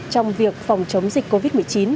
trong việc phòng chống dịch covid một mươi chín